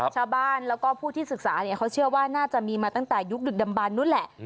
ชาวบ้านแล้วก็ผู้ที่ศึกษาเขาเชื่อว่าน่าจะมีมาตั้งแต่ยุคดึกดำบันนู้นแหละ